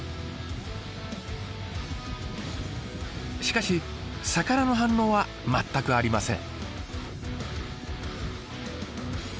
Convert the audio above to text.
しかし魚の反応は全くありません。